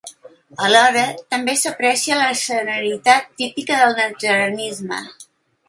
Alhora, també s'aprecia la serenitat típica del natzarenisme.